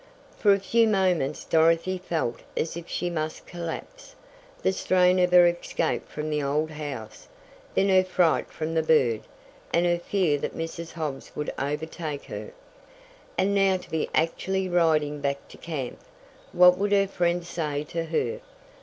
For a few moments Dorothy felt as if she must collapse. The strain of her escape from the old house, then her fright from the bird, and her fear that Mrs. Hobbs would overtake her. And now to be actually riding back to camp! What would her friends say to her?